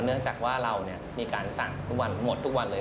เนื่องจากว่าเรามีการสั่งทุกวันหมดทุกวันเลย